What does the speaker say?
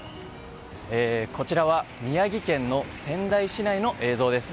こちらは宮城県の仙台市内の映像です。